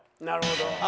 なるほど。